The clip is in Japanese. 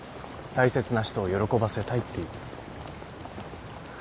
大切な人を喜ばせたいっていう。